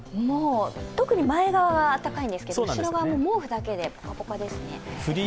特に前側が暖かいんですけど、後ろ側も毛布でポカポカですね。